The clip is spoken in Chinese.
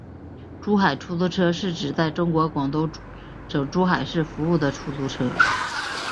珠海出租车是指在中国广东省珠海市服务的出租车。